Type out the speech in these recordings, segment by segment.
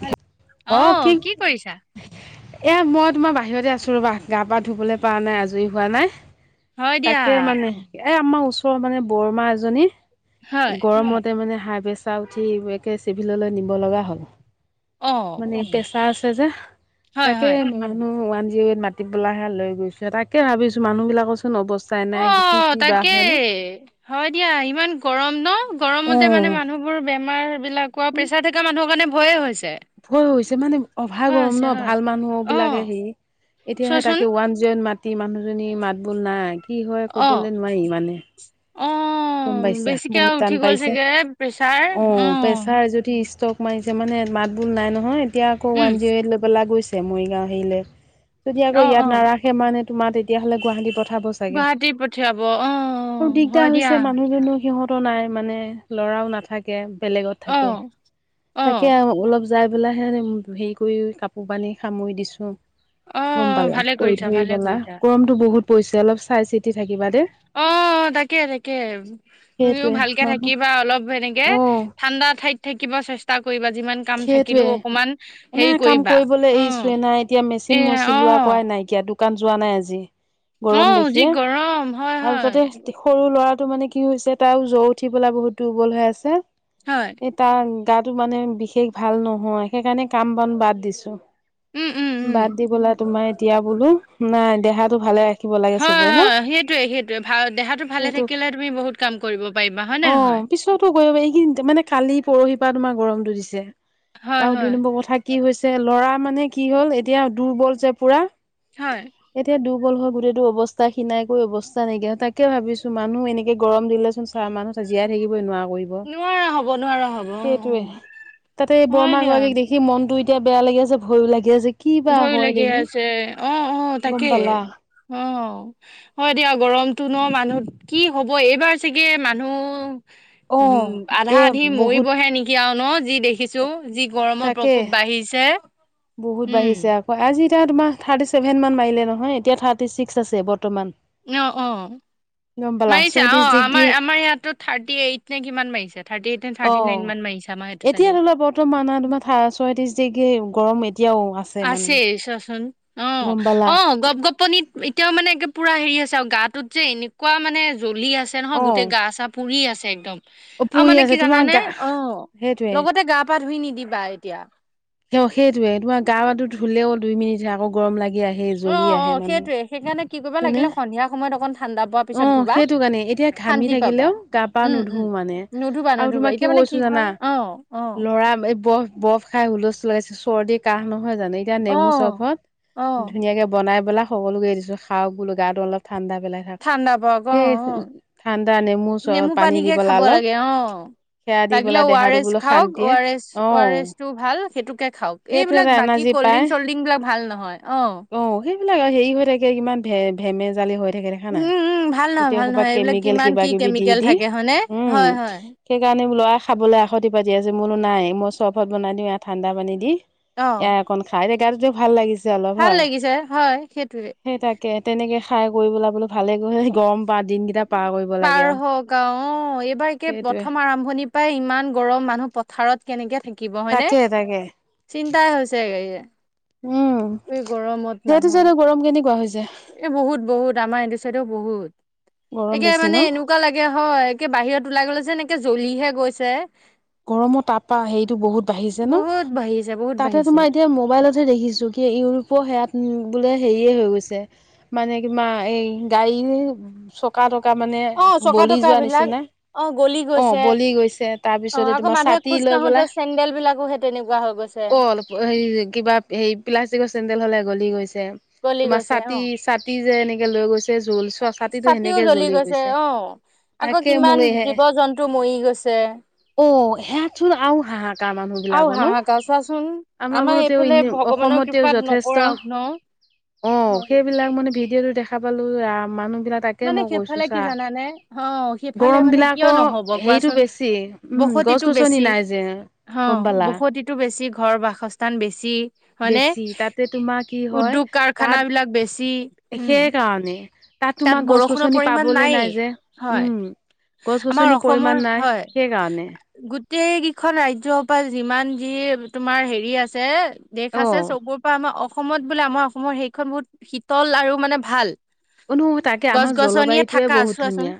Hello অহ কি কৰিছা? এয়া মই তোমাৰ বাহিৰতে আছো ৰ'বা গা পা ধুবলৈ পাৰা নাই আজৰি হোৱা নাই। হয় দিয়া, তাকে মানে এ আমাৰ ওচৰ মানে বৰমা এজনী হয়, গৰমতে মানে হাই পেচাৰ উঠি একে চিভিললৈ নিব লগা হ'ল। অ', মানে পেচাৰ আছে যে হয়, তাকে হয়, মানুহ ত মাতি পেলাহে লৈ গৈছে তাকে ভাবিছো মানুহবিলাকো। অ তাকেই হয় দিয়া ইমান গৰম ন। গৰমতে মানে অ', মানুহবোৰ বেমাৰ বিলাক প্ৰেছাৰ থকা মানুহৰ কাৰণে ভয়ে হৈছে। ভয় হৈছে মানে অভাৰ হয় গৰম হৈছে, ন হয়, ভাল মানুহ বিলাকে অ', হেৰি। এতিয়াহে চোৱাচোন। তাকে ওৱান জিৱান মাতি মানুহজনী মাত বুল নাই। কি হয় অ', ক'বলৈ নোৱাৰি মানে। গম অ', পাইছা বেছিকে বহুত উঠি টান গ'ল পাইছে চাগে প্ৰেছাৰ, অ প্ৰেছাৰ যদি ষ্টক। মাৰিছে মানে মাত বোল নাই নহয় এতিয়া আকৌ ওৱান উম, জিৰ' এইট লৈ পেলাই গৈছে মৰিগাঁও হেৰিলৈ। যদি আকৌ অ', ইয়াত অ', নাৰাখে মানে তোমাৰ তেতিয়া হ'লে গুৱাহাটীত। পঠাব চাগে গুৱাহাটী পঠিয়াব, অ', আৰু দিগদাৰ হয় দিয়া, হৈছে মানুহজনক। সিহঁতো নাই মানে ল'ৰাও নাথাকে বেলেগত থাকে অ', তাকে অ', অলপ। যাই পেলাইহে হেৰি কৰি কাপোৰ কানি সামৰি দিছো। গম অ', পালা ভালে কৰি কৰিছা, ধৰি ভালে পালা কৰিছা, গৰমতটো বহুত পৰিছে অলপ চাই চিতি থাকি। অ। অ তাকে তাকে তুমিও সেইটোৱে ভালকে মানুহ থাকিবা অলপ সেনেকে অ ঠাণ্ডা ঠাইত। থাকিব চেষ্টা কৰিবা। যিমান কাম সেইটোৱে থাকিলেও অকমান মানে হেৰি কাম কৰিবা কৰিবলৈ অ এৰিছোঁ না নাই এতিয়া এ মেচিন ম অ চিলোৱা কৰাই নাইকিয়াতো। দুকান যোৱা নাই আজি অ গৰম যি দেখিয়ে গৰম হয় আৰু হয় তাতে সৰু ল'ৰা। টো মানে কি হৈছে তাৰ জৰ উঠি পেলাই বহুত দুৰ্বল হৈ আছে হয় এই তাৰ। গাতো মানে বিশেষ ভাল নহয় সেইকাৰণে কাম বন বাদ দিছো। উম উম উম বাদ দিবলা তোমাৰ এতিয়া বোলো নাই দেহাতটো ভালে আছে। হয় হয় সেইটোয়ে সেইটোয়ে ভাল দেহাটো ভালে সেইটো থাকিলে তুমি বহুত কাম কৰিব পাৰিবা হয় অ নে নহয়। পিছতো গৈ এই কেইদিনমান মানে কালি পৰহি পৰা তোমাৰ গৰমটো দিছে হয় আৰু হয় দুই নম্বৰ কথা কি। কি হৈছে ল'ৰা মানে কি হ'ল এতিয়া দুৰ্বল যে পুৰা। হয়। গল হৈ গোটেইটো অৱস্থা খিনাই কৈ অৱস্থা নাইকিয়া, তাকে ভাবিছো মানুহ এনেকে গৰম দিলেচোন চাৰ মানুহ। জীয়াই থাকিবই নোৱাৰো। নোৱাৰা হ'ব নোৱাৰা হ'ব অ। তাতে এই অ হয় বৰমা দিয়া গৰাকীক দেখি মন টো এতিয়া বেয়া লাগি আছে ভয়ো লাগি আছে। কি বা ভয়ো হয় লাগি দেহি আছে অহ অহ গম তাকে। পালা অহ, হয় দিয়া গৰমটো ন' মানুহ কি হ'ব এইবাৰ চাগে মানুহ। অ উম আধা এ আধি বহুত মৰিবহে নেকি আও। ন যি দেখিছো যি গৰমৰ তাকে প্ৰকোপ বাঢ়িছে। বহুত উম বাঢ়িছে আকৌ আজি এতিয়া তোমাৰ থাৰ্টি চেভেন মান মাৰিলে নহয় এতিয়া থাৰ্টি ছিক্স আছে বৰ্তমান। অহ অহ। গম পালা মাৰিছে অ ছয়ত্ৰিশ ডিগ্ৰী আমাৰ আমাৰ ইয়াতো থাৰ্টি এইট নে কিমান মাৰিছে থাৰ্টি এইট। নে অ থাৰ্টি নাইন মান মাৰিছে আমাৰ সেইটো এতিয়া চাইডেও ধৰিলোৱা বৰ্তমান তোমাৰ ছয়ত্ৰিশ ডিগ্ৰী গৰম। এতিয়াও মানে আছে চোৱাচোন। অ গম পালা অ গপ গপনিত এতিয়াও মানে একে পুৰা হেৰি হৈছে আৰু গাটোত যে এনেকুৱা মানে। জ্বলি আছে নহয় অ গোটেই গা চা পুৰি আছে একদম। অ আৰু পুৰি মানে আছে কি তোমাৰ জানানে গা অ সেইটোৱে লগতে গা পা ধুই নিদিবা এতিয়া। স সেইটয়ে তোমাৰ গাু টো ধুললেও দুই মিনিট হে আকৌ গৰম লাগি আহি। সেই অ জগি অ আহে মানুহ। সেইটোয়ে সেইকাৰণে কি কৰিবা হয়নে লাগিলে সন্ধিয়া সময়ত অকণ ঠাণ্ডা পোৱাৰ অ পিছত ধুবা সেইটো কাৰণে এতিয়া ঘামি শান্তি পাবা থাকিলেও গা পা উম নুধু। উম মানে নুধুবা আৰু নুধুবা তোমাক কি এতিয়া মানে কৈছো জানা হয় অ অ ল'ৰা এই বফ বফ খাই হুলস্থুল। চৰ্দি কাহ নহয় জানো এতিয়া অ নেমু চৰবত অ ধুনীয়াকে বনাই পেলাই সকলোকে দিছো। খাওক বলো গাটো অলপ। ঠাণ্ডা পেলাই থাক ঠাণ্ডা পৰক অ সেই অ ঠাণ্ডা চ নেমু পানী দি পানীকে পেলাই খাব অলপ লাগে অ। সেয়া দি লাগিলে পেলাই অ আৰ দেহাটো এছ বোলো খাওক অ শান্তিয়ে R S O R S টো ভাল সেইটোকে খাওক সেইটো এটা এইবিলাক বাকী। এনাৰ্জি কল্ড পায় ড্ৰিংক চল্ড্ৰিং বিলাক ভাল নহয় অ',। এইবিলাক হেৰি হৈ থাকে কিমান ভে -ভেমে জালি হৈ থাকে দেখা উম নাই? উম ভাল নহয় গোটেই ভাল হুপা নহয় এইবিলাক কেমিকেল কিমান কি কিবা- কিবি, দি- কেমিকেল দি থাকে হয়নে উম হয় হয় সেইকাৰণে লৰাই খাবলে কাষতি পাতি আছে। মই বোলো নাই মই চৰ্বত বনাই দিওঁ ইয়া ঠাণ্ডা পানী দি অ ইয়া অকন খাই এ গাটো যে ভাল লাগিছে। যে অলপ ভাল হয় লাগিছে হয় সেইটোৱে সেই তাকে তেনেকে খাই কৰি পেলাই বোলো ভালে গৈ গৰম দিন কেইটা পাৰ কৰি পাৰ হক আও অ', এইবাৰ একে সেইটোৱে প্ৰথম আৰম্ভণি পাই ইমান গৰম মানুহ পথাৰত কেনে কেনেকে থাকিব হয় নে? তাকে তাকে চিন্তাই হৈছে উম, গৰমত সেইটো মানুহ চাইড গৰম কেনেকুৱা হৈছে? এ বহুত -বহুত আমাৰ এইটো চাইডেও বহুত। গৰম একে বেছি ন মানে এনেকুৱা লাগে হয় একে বাহিৰত ওলাই গলে যে একে জ্বলিহে গৈছে। গৰমৰ তাৰপা হেইটো বহুত বাঢ়িছে ন'? বহুত বাঢ়িছে বহুত তাতে বাঢ়িছে তোমাৰ এতিয়া মোবাইলতহে দেখিছো কি ইউৰোপ সেয়াত উম, বোলে হেৰিয়ে হৈ গৈছে মানে কিবা এই গাড়ী চকা - তকা কা মানে অ চকা বলি তকা যোৱা বিলাক নিচিনা অ গলি অ', গৈছে বলি গৈছে তাৰ পিছত অ আকৌ তোমাৰ মানুহে ছাতি খোজ লৈ কাঢ়োতে পেলাই চেন্দেল বিলাকো সেই তেনেকুৱা হৈ গৈছে অ', হেৰি কিবা হেৰি প্লাষ্টিক চেণ্ডেল হলে গলি গৈছে। যে গলি তোমাৰ গৈছে অ ছাতি- ছাতি যে এনেকে লৈ গৈছে জোল চোৱা ছাতিটো সেনেকে জ্বলি গৈছে। অ', আকৌ তাকে কিমান জীৱ -জন্তু মৰি গৈছে। অহ, সেয়া চোন আৰু হাহাকা মানুহ আৰু বিলাকৰ ন' হাহাকাৰ চোৱাচোন আমাৰ বোলো তেঁও এইফালে এনেও ভগৱানৰ অসমতেও কৃপাত যথেষ্ট নকৰা ন অহ, সেইবিলাক মানে ভিডিঅ' তো দেখা পালো যে মানুহ সিদিনা তাকে মানে মই কৈছো সেইফালে কি চা জানানে অ সেইফালে গৰম মানে কিয় বিলাকৰ নহ'ব হেৰিটো কোৱাচোন বেছি উম, গছ- গছনি নাই যে হও, গম পালা বসতিতো বেছি ঘৰ বাসস্থান বেছি হয়নে বেছি তাতে তোমাৰ কি হয় উদ্যোগ টোক কাৰখানা তাত বিলাক বেচ সেই কাৰণে তাত তোমাৰ বৰষুণৰ গছ-গছনি পৰিমাণ পাবলে নায়েই নাই যে হয় উম আমাৰ গছ-গছনিৰ অসমৰ পৰিমাণ নাই হয় সেইকাৰণে। গোটেই কেইখন ৰাজ্যৰ হপাই যিমান যি তোমাৰ হেৰি আছে দেশ আছে অ', চবৰে পৰা আমাৰ অফ- অসমত বোলে আমাৰ অসমৰ সেইখন বহুত শীতল আৰু মানে ভাল অহ, নো তাকে গছ আমাৰ গছনিয়ে জলবায়ুটোৱে থাকা বহুত চোৱাচোন ধুনীয়া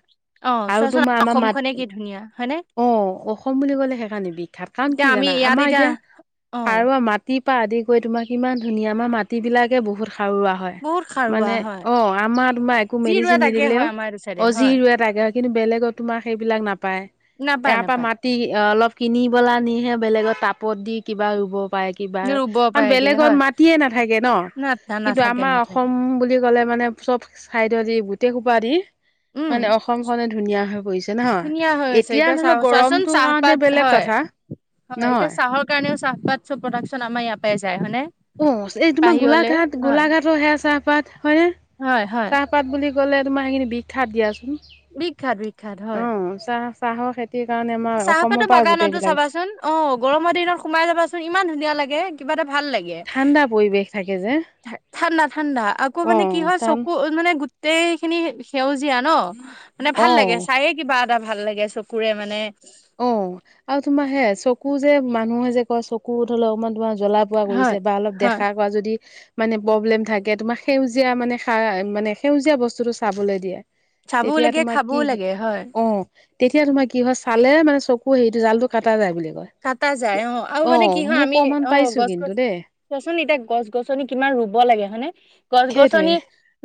অ আৰু চোৱাচোন তোমাৰ আমাৰ অসমখনে কি মাত ধুনীয়া হয়নে অহ, অসম বুলি ক'লে সেইকাৰণে বিখ্যাত কাৰণ কি এতিয়া আমি জানা ইয়াত আমাৰ এতিয়া অ সাৰুৱা মাটিৰ পা আদি কৰি তোমাক ইমান ধুনীয়া আমাৰ মাটি বিলাকে বহুত সাৰুৱা হয় বহুত সাৰুৱা মানে হয় অ', আমাৰ তোমাৰ একো যি ৰোৱা মেডিচিন তাকে নিদিলেও হয় আমাৰ এইটো চাইডে অ', যি হয় ৰুৱে তাকে হয় কিন্তু বেলেগত তোমাৰ সেইবিলাক নাপায় নাপায় ইয়াৰ পৰা নাপায় মাটি ই -ই অলপ কিনি পেলাই নিহে বেলেগত টাপত দি কিবা ৰুব উপায় কিবা ৰুব কাৰণ পাৰেগে বেলেগত হয় মাটিয়ে নেথাকে ন', না কিন্তু নাথাকে আমাৰ নাথাকে অসম বুলি ক ক'লে মানে চব চাইড দি গোটেই হোপা দি উম মানে অসমখনে ধুনীয়া হৈ পৰিছে নহয় ধুনীয়া হৈ এত আছে এতিয়া চাহ চোৱাচোন চাহপাত হয় -হয় এতিয়া নহয় চাহৰ কাৰণেও চাহ পাটচ অফ প্ৰডাকশচন আমাৰ ইয়াৰ পাই যায় হয় নে? ঔ, এই তোমাৰ বাহিৰলে গোলাঘাট- গোলাঘাটৰ সেয়া চাহপাত হয়নে হয়, হয়, চাহপাত বুলি কলে তোমাৰ সেইখিনি বিখ্যাত দিয়াচোন। বিখ্যাত -বিখ্যাত হয়। অ', চাহ চাহৰ খেত চাহপাতৰ বাগানতো চাবাচোন অ', গৰমৰ দিনত সোমাই যাবাচোন ইমান ধুনীয়া লাগে কিবা এটা ভাল লাগে। ঠাণ্ডা পৰিৱেশ থাক ঠা- ঠাণ্ডা - ঠাণ্ডা আকৌ মানে কি অ', হয় টান চকু মানে গো গোটেই খিনি সেউজীয়া ন আহ্ মানে ভাল লাগে অ', চায়ে কিবা এটা ভাল লাগে চো- কুৰে মানে অ আৰু তোমাৰ সে চকু যে মানুহে যে কয় চকু ধৰিলও অকমান ধোঁৱা- জ্বলা-পুৰা হয়, কৰিছে বা অলপ হয়। দেখা কৰা যদি মানে প্ৰব্লেম থাকে তোমাৰ সেউজীয়া মানে সা আ আ মানে সেউজীয়া বস্তুতটো চাবলৈ দিয়ে। চাবও তেতিয়া লাগে তোমাক খাবও কি লাগে হয়, অ অ এতিয়া তোমাৰ কি হয় চালে মানে চকু হেৰিটো জালটো কাটা যায় বোলে। কাটা যায় অ আৰু মানে কি হয় আমি এ প্ৰমাণ অ পাইছো কিন্তু গছ-গছ- দেই চোৱাচোন এতিয়া গছ-গছনি কিমান ৰুব লাগে হয়নে সেইটোৱে গছ-গছনি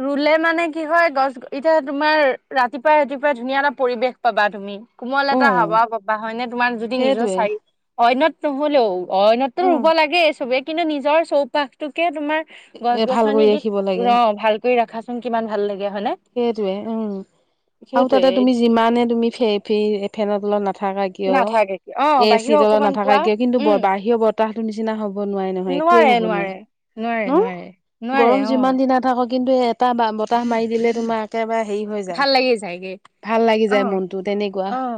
ৰুলে মানে কি হয় গছ এতিয়া তোমাৰ ৰাতিপুৱাই ৰাতিপুৱাই ধুনীয়া এটা পৰিৱেশ পাবা তুমি। কোমল অ এটা হবা পাবা হয়নে তোমাৰ যদি নিজৰ সেইটোৱে চাইড অন্যত নললেও অইনততো উম ৰুব লাগে চবে কিন্তু নিজৰ চৌপাশটোকে তোমাৰ এ ভাল গছ-গছনি কৰি দি ৰাখিব ৰ লাগে ভালকৈ ৰাখাচোন কিমান ভাল লাই লাগে। হয়নে সেইটোৱে উম আৰু সেইটোৱে তাতে তুমি যিমানে তুমি সেই ফেই ফেনৰ তলত নাথাকা কি- কিয় নাথাকে কি অ এ চি বাহিৰৰ ৰ তলত অকমান পোৱা নাথাকাকে কিন্তু বৰ উম বাহিৰৰ বতাহটোৰ নিচিনা হব নোৱাৰে নহয় একোৱেই হ'ব নোৱাৰে, নোৱাৰে নোৱাৰে ন নোৱাৰে গৰম অ যিমান দিনা থাক- অ, কিন্তু এ এটা বা বতাহ মাৰি দিলে তোমাৰ একেবাৰে- হেৰি হৈ যায়। ভাল লাগি যায়গে ভাল লাগি অ যায় মনটো তেনেকুৱা- অ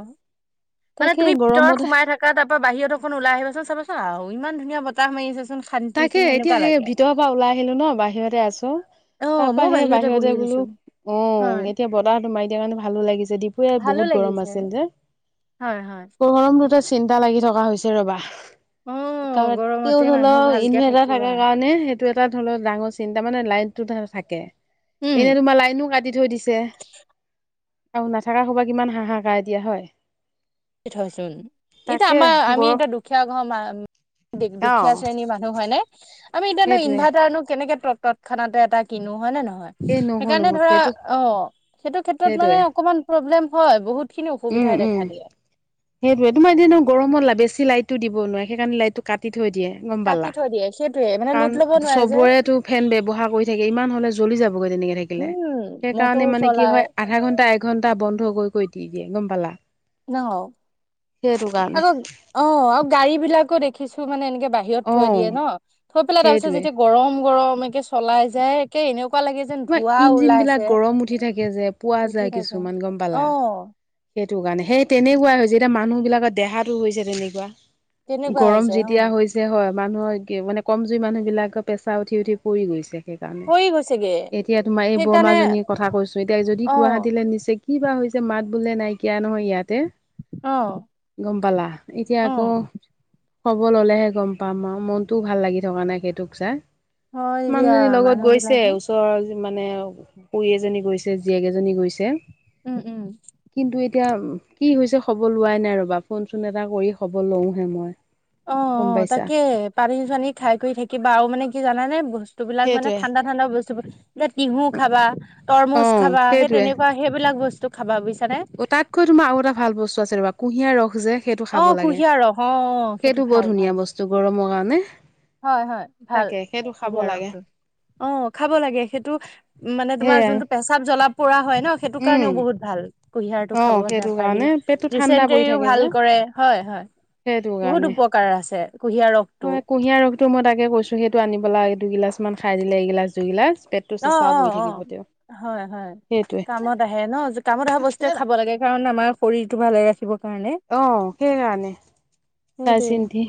মানে তাকে তুমি গৰমত ভিতৰত সোমাই থাকা তাপা বাহিৰত অকণ ওলাই আহিবাচোন চাবাচোন আও ইমান ধুনীয়া বতাহ মাৰি আছে। তাকে এতিয়া সেই ভিতৰৰ পৰা ওলাই আহিলো ন বাহিৰতে আছো। অ' তাপা ময়ো সেই বহি বাহিৰতে বোলো আছো হয়। উম এতিয়া বতাহটো মাৰি দিয়া কাৰণে ভালো লাগিছে দীপুৱে- ভালো বহুত গৰম লাগিছে। আছিল যে- হয় হয়। গৰমটোতে চিন্তা লাগি থকা হৈছে ৰবা অ' [unintelligible] তেওঁ গৰমতে হলো মানুহ ভালকে ইনভাৰ্টাৰ থাকিবা থাকাৰ কাৰণে সেইটো এটা ধলো ডাঙৰ চিন্তা মানে লাইটটো থাকে উম এনে তোমাৰ লাইনো কাটি থৈ দিছে। আৰু নাথাকা সোপা কিমান হাহাকাৰ এতিয়া হয় থয়চোন এতিয়া তাকে আমাৰ আমি গৰম এতিয়া দুখীয়া ঘৰ মা- অ দুখীয়া শ্ৰেণীৰ মানুহ হয় নে আমি এতিয়ানো সেইটোৱে ইনভাৰ্টাৰনো কেনেকে তৎক্ষণাতে এটা কিনো হয় নে ন এই নহয় সেইকাৰনে নহয় ধৰা সেইটো অ সেইটো সেইটোৱে ক্ষেত্ৰত অকমান প্ৰব্লেম হয় বহুত খিনি অসুবিধা দেখা দিয়ে। সেইটোয়ে তোমাৰ এয়া ন গৰমত বেছি লাইটটো দিব নোৱাৰে সেইকাৰণে লাইটটো কাটি থৈ দিয়ে গম কাটি পালা থৈ দিয়ে সেইটোয়ে মানে লোট কাৰণ ল'ব নোৱাৰে যে চবৰেতো ফেন ব্যৱহাৰ কৰি থাকে ইমান হলে জ্বলি যাবগৈ তেনেকে থাকিলে উম মটৰ সেইকাৰণে মানে কি চলাই হয় আধা ঘন্টা একঘন্টা বন্ধ কৈ দিয়ে গম পালা। ন সেইটো কাৰণে আকৌ অ আৰু গাড়ী বিলাকো দেখিছো মানে এনেকে বাহিৰত অ থৈ দিয়ে ন থৈ পেলাই তাৰ পিছত সেইটোৱে যেতিয়া গৰম গৰম একে চলাই যায় একে এনে- এনেকোৱা লাগে যেন তোমাৰ ধুৱা ইঞ্জিন বিলাক ওলাইছে গৰম উঠি থাকে যে পোৱা যায় উঠি থাকে কিছুমান গম অ পালা সেইটো কাৰণে সেই তেনেকুৱাই হৈছে যেতিয়া মানুহ বিলাকৰ দেহাটো হৈছে তেনেকুৱা তেনেকুৱা গৰম হৈছে অ যেতিয়া হৈছে হয়। মানুহৰ মানে কম জুৰি মানুহ বিলাকৰ পেছা উঠি উঠি পৰি গৈছে। সেইকাৰণে পৰি গৈছেগে এতিয়া তোমাৰ এই সেইকাৰণে বৰমাজনীৰ কথা কৈছো এতিয়া যদি অ গুৱাহাটীলে নিচে কি বা হৈছে মাত বোলে নাইকিয়া নহয় ইয়াতে অ গম পালা এতিয়া অ আকৌ খবৰ ললেহে গম পাম আৰু মনতটোও ভাল লাগি থকা নাই সেইটোক চা হয় দিয়া মানুহজনীৰ লগত মানুহ গৈছে বিলাকে ওচৰৰ মানে খুৰী এজনী গৈছে জীয়েক এজনী গৈছে উম উম কিন্তু এতিয়া কি হৈছে খবৰ লোৱাই নাই ৰবা ফোন চোন এটা কৰি খবৰ লওঁহে মই অ গম অ পাইছা তাকে পানী চানী খাই কৰি থাকিবা আৰু মানে কি জানানে ব স্তুবিলাক মানে সেইটোৱে ঠাণ্ডা ঠাণ্ডা বস্তুবোৰ যে তিহু খাবা অ তৰমুজ খাবা সেই সেইটোৱে তেনেকোৱা সেইবিলাক বস্তু খাবা বুই অ তাতকৈ তোমাৰ আৰু এটা ভাল বস্তু আছে ৰবা কুঁহিয়াৰ ৰস খোজে সেইটো অ খাব লাগে কুঁহিয়াৰ ৰস অ সেইটো ভাল বৰ ভাল ধুনীয়া বস্তু গৰমৰ কাৰণে হয় হয় ভাল তাকে সেইটো খাব কুহীয়া লাগে ৰসটো অ খাব লাগে সেইটো মানে তোমাৰ সেয়াই যোনটো পেচাব জ্বলাব পৰা হয় ন সেইটো উম কাৰণেও বহুত ভাল কুঁহিয়াৰটো অ খাব সেইটো কাৰণে পাৰিলে পেটটো ঠাণ্ডা পৰি দিষ্টেৰীন্টও থাকে ভাল যে কৰে হয় হয় সেইটো বহুত কাৰণে উপকাৰ আছে কুঁহিয়াৰ ৰসটো ত মই তাকে কৈছো সেইটো আনিব লাগে দুগিলাচ মান খাই দিলে এইগিলাচ দুই গিলাচ অ অ অ হয় হয় সেইটোৱে কামত আহে ন কামত আহা ব স্তুৱে খাব লাগে কাৰণ আমাৰ শৰীৰটো ভালে ৰাখিব অ সেই কাৰণে চাই সেইটোৱে চিন্তি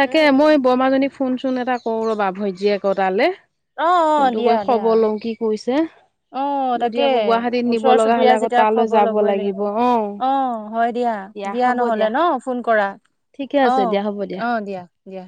তাকে উম মই উম বৰমাজনী ফোনচোন এটা কৰো ৰ'বা ভৈজীয়েক তালৈ অ অ ফোনটো দিয়া কৰি দিয়া খবৰ লওঁ কি কৈছে অ যদি তাকে আকৌ গুৱাহাটীত নিব ওচৰ লগা হলে চুবুৰীয়া আকৌ যেতিয়া তালৈ খবৰ যাব ল'বই লাগিব অ হয় দিয়া হ'ব নহলে দিয়া ন ফোন কৰা ঠিকে অ আছে দিয়া হ'ব দিয়া অ দিয়া